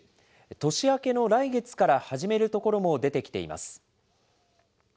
年明けの来月から始める所も出てきています。